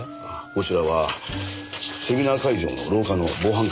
こちらはセミナー会場の廊下の防犯カメラの映像です。